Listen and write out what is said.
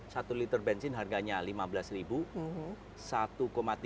satu liter bensin harganya rp lima belas